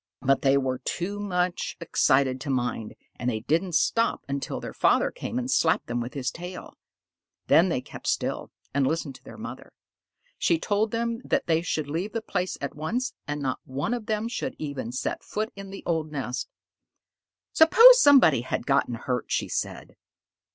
but they were too much excited to mind, and they did not stop until their father came and slapped them with his tail. Then they kept still and listened to their mother. She told them that they should leave the place at once, and not one of them should even set foot in the old nest. "Suppose somebody had gotten hurt," she said.